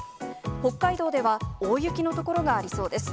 北海道では大雪の所がありそうです。